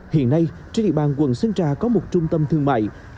hiện nay trên địa bàn quận sơn trà có một trung tâm thương mại